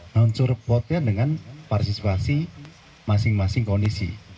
nah mensupportnya dengan partisipasi masing masing kondisi